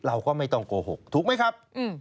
เราก็ไม่ต้องโกหกถูกไหมครับ